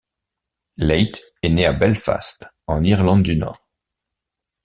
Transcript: Leith est née à Belfast, en Irlande du Nord.